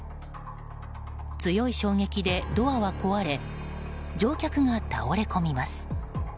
強い衝撃でドアは壊れ乗客が倒れ込みます。